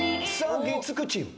月９チーム。